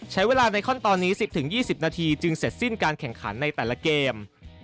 ใช้เวลาในขั้นตอนนี้๑๐๒๐นาทีจึงเสร็จสิ้นการแข่งขันในแต่ละเกม